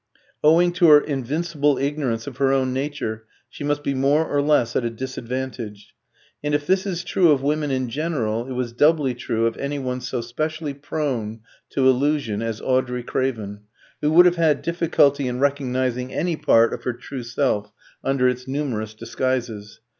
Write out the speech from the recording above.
Owing to her invincible ignorance of her own nature, she must be more or less at a disadvantage. And if this is true of women in general, it was doubly true of any one so specially prone to illusion as Audrey Craven, who would have had difficulty in recognising any part of her true self under its numerous disguises.